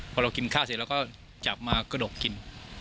พอเรากินข้าวเสร็จเราก็จับมากระดกกิน